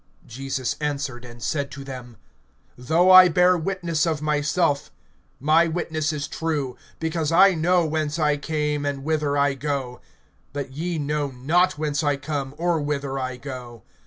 (14)Jesus answered and said to them: Though I bear witness of myself, my witness is true; because I know whence I came, and whither I go; but ye know not whence I come, or whither I go.